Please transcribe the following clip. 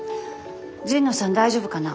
神野さん大丈夫かな。